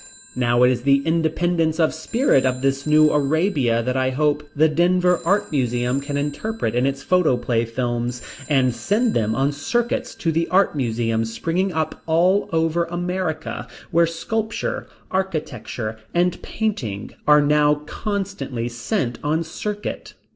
Now it is the independence of Spirit of this New Arabia that I hope the Denver Art Museum can interpret in its photoplay films, and send them on circuits to the Art Museums springing up all over America, where sculpture, architecture, and painting are now constantly sent on circuit.